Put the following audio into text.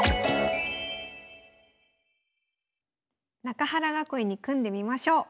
中原囲いに組んでみましょう。